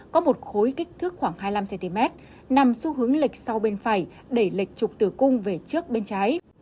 có một khối kích thước khoảng hai mươi năm cm nằm xu hướng lịch sau bên phải đẩy lệch trục tử cung về trước bên trái